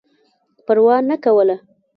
پروا نه کوله.